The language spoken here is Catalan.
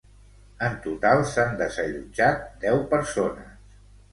En total s’han desallotjat deu persones.